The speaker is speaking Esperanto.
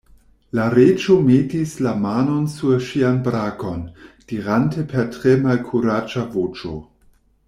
La Reĝo metis la manon sur ŝian brakon, dirante per tre malkuraĝa voĉo.